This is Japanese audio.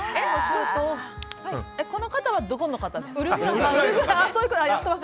この方はどこの方ですか？